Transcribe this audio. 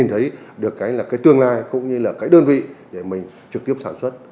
nhìn thấy được cái là cái tương lai cũng như là cái đơn vị để mình trực tiếp sản xuất